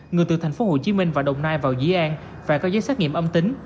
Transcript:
người từ thành phố hồ chí minh và đồng nai vào dĩ an và có giấy xét nghiệm âm tính